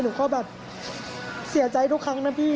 หนูก็แบบเสียใจทุกครั้งนะพี่